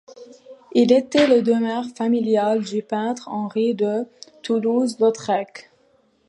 Il était la demeure familiale du peintre Henri de Toulouse-Lautrec.